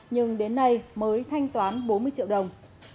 nhưng đến nay mới thanh toán bốn mươi triệu đồng